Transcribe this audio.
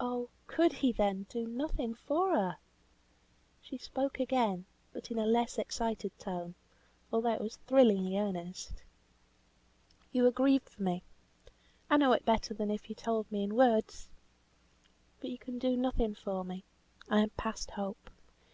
Oh! could he, then, do nothing for her! She spoke again, but in a less excited tone, although it was thrillingly earnest. "You are grieved for me! I know it better than if you told me in words. But you can do nothing for me. I am past hope.